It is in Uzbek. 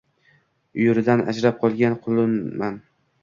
Uyuridan ajrab qolgan qulunman…